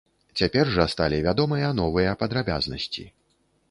Цяпер жа сталі вядомыя новыя падрабязнасці.